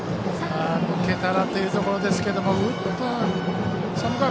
抜けたなというところでしたけど寒川